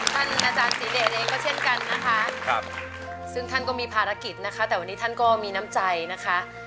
ท่านอาจารย์ศรีเดชเองก็เช่นกันนะคะซึ่งท่านก็มีภารกิจนะคะแต่วันนี้ท่านก็มีน้ำใจนะคะ